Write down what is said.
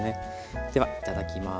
ではいただきます。